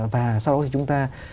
và sau đó thì chúng ta